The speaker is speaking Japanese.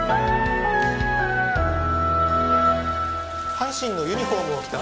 阪神のユニフォームを着た